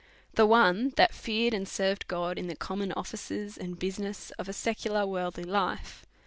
\ The one that feared and served God in the common | offices of a secular worldly life.